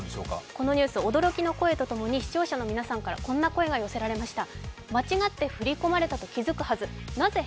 このニュース、驚きの声とともに視聴者の皆さんからこんな声が寄せられました。